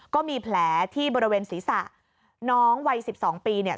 ก็มีแผลที่บริเวณศีรษะน้องวัย๑๒ปีเนี่ย